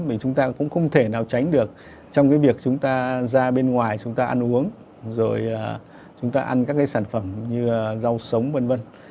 vì chúng ta cũng không thể nào tránh được trong cái việc chúng ta ra bên ngoài chúng ta ăn uống rồi chúng ta ăn các cái sản phẩm như rau sống v v